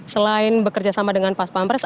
selain bekerja sama dengan pas pampres